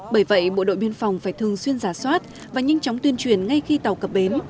bởi vậy bộ đội biên phòng phải thường xuyên giả soát và nhanh chóng tuyên truyền ngay khi tàu cập bến